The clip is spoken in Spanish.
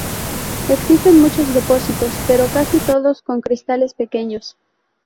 Existen muchos depósitos, pero casi todos con cristales pequeños.